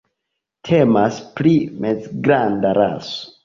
Temas pri mezgranda raso.